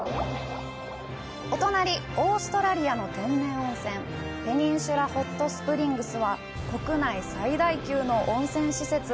お隣、オーストラリアの天然温泉、ペニンシュラ・ホット・スプリングスは国内最大級の温泉施設。